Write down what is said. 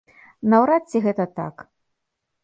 Наўрад ці гэта так.